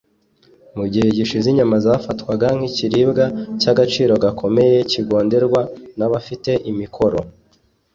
Mu gihe gishize inyama zafatwaga cy’ikiribwa cy’agaciro gakomeye kigonderwa n’abafite imikoro